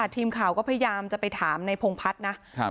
ทีมข่าวก็พยายามจะไปถามในพงพัฒน์นะ